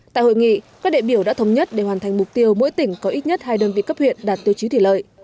tại hội nghị các đệ biểu đã thống nhất để hoàn thành mục tiêu mỗi tỉnh có ít nhất hai đơn vị cấp huyện đạt tiêu chí thủy lợi